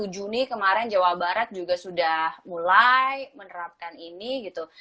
dua puluh juni kemarin jawa barat juga sudah mulai menerapkan ini gitu